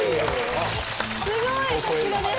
すごいさすがです！